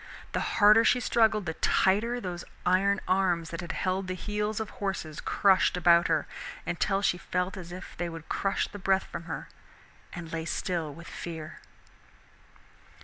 The harder she struggled the tighter those iron arms that had held the heels of horses crushed about her, until she felt as if they would crush the breath from her, and lay still with fear.